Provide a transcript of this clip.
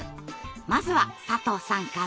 まずは佐藤さんから。